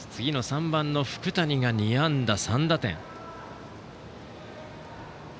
３番の福谷が２安打３打点。